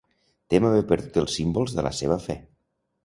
Tem haver perdut els símbols de la seva fe.